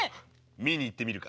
見に行ってみるか？